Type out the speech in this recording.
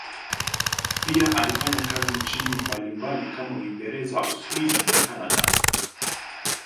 Pia alifanya kazi nchini mbalimbali kama Uingereza, Uswisi na Kanada.